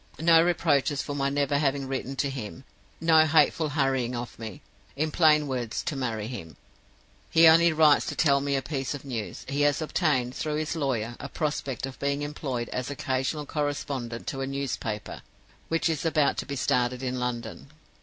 No reproaches for my never having written to him; no hateful hurrying of me, in plain words, to marry him. He only writes to tell me a piece of news. He has obtained, through his lawyers, a prospect of being employed as occasional correspondent to a newspaper which is about to be started in London.